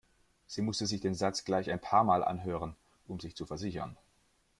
Sie musste sich den Satz gleich ein paarmal anhören, um sich zu versichern.